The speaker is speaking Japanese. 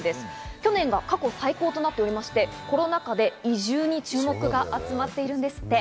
去年が過去最高となっておりまして、コロナ禍で移住に注目が集まっているんですって。